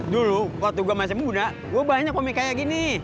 dulu waktu gue masih muda gue banyak omik kayak gini